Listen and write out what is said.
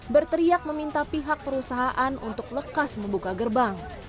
berteriak meminta pihak perusahaan untuk lekas membuka gerbang